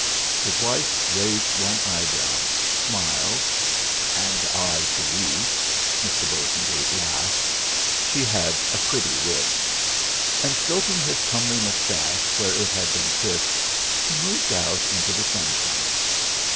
His wife, raising one eyebrow, smiled. "And I to weep!" Mr. Bosengate laughed she had a pretty wit! And stroking his comely moustache where it had been kissed, he moved out into the sunshine.